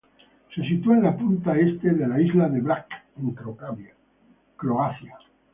Se sitúa en la punta este de la isla de Brac en Croacia.